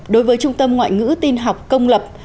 đối với trung tâm ngoại ngữ tin học công lập